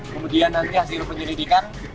kemudian nanti hasil penyelidikan